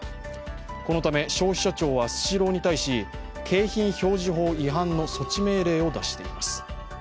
このため消費者庁はスシローに対し景品表示法違反の措置命令を出しています。